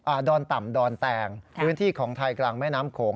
ดอนต่ำดอนแตงพื้นที่ของไทยกลางแม่น้ำโขง